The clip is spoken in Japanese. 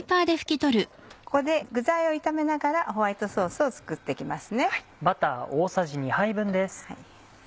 ここで具材を炒めながらホワイトソースを作って行きます。